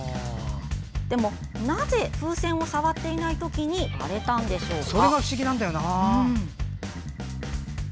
でも、なぜ風船を触っていないときに割れたんでしょうか？